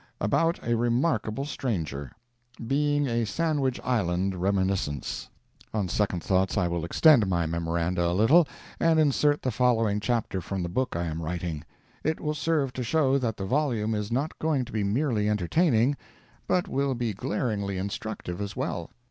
ABOUT A REMARKABLE STRANGER. Being a Sandwich Island Reminiscence. [On second thoughts I will extend my MEMORANDA a little, and insert the following chapter from the book I am writing. It will serve to show that the volume is not going to be merely entertaining, but will be glaringly instructive as well.